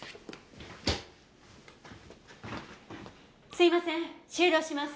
すいません終了します。